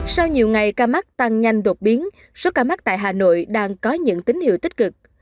sau nhiều ngày ca mắc tăng nhanh đột biến số ca mắc tại hà nội đang có những tín hiệu tích cực